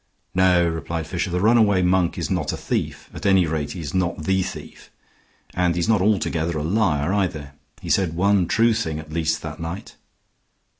"No," replied Fisher, "the runaway monk is not a thief. At any rate he is not the thief. And he's not altogether a liar, either. He said one true thing at least that night."